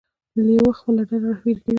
لیوه خپله ډله رهبري کوي.